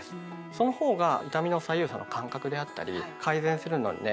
そのほうが痛みの左右差の感覚であったり改善するのにね